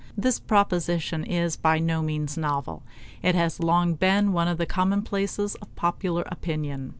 This proposition is by no means novel; it has long been one of the commonplaces of popular opinion.